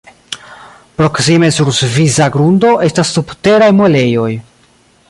Proksime sur svisa grundo estas Subteraj Muelejoj.